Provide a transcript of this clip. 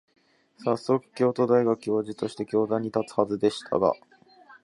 さっそく、京都大学教授として教壇に立つはずでしたが、